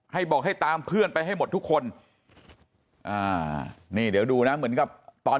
ให้บอกให้ตามเพื่อนไปให้หมดทุกคนอ่านี่เดี๋ยวดูนะเหมือนกับตอน